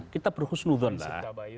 kita berhusnudon lah